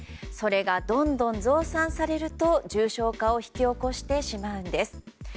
それがどんどん増産されると重症化を引き起こしてしまうんです。